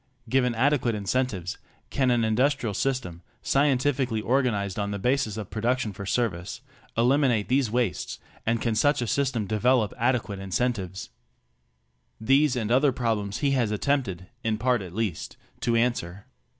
Given adequate incentives, can an industrial system, scientifically organized on the basis of production for service, eliminate these wastes and can such a system develop adequate incentives? These and other problems he has attempted, in part at least, to answer.